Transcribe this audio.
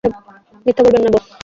মিথ্যা বলবেন না, বস।